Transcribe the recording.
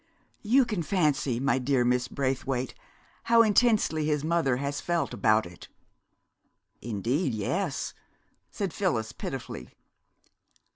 "You can fancy, my dear Miss Braithwaite, how intensely his mother has felt about it." "Indeed, yes!" said Phyllis pitifully.